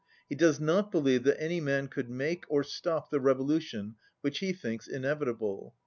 He does not believe that any man could 122 make or stop the revolution which he thinks inevi table.